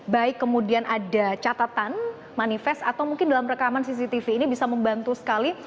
baik kemudian ada catatan manifest atau mungkin dalam rekaman cctv ini bisa membantu sekali